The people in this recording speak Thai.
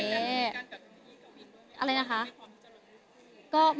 มีการแบบลงอีกกับมีอีกอะไรนะคะ